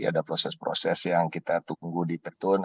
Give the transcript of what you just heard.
ada proses proses yang kita tunggu di petun